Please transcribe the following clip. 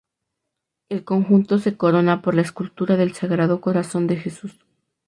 El conjunto se corona por la escultura del Sagrado Corazón de Jesús.